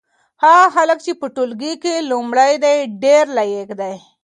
هغه هلک چې په ټولګي کې لومړی دی ډېر لایق دی.